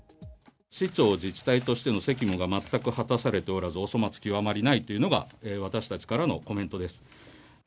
市長、自治体としての責務が全く果たされておらず、お粗末極まりないというのが、私たちからのコメントです。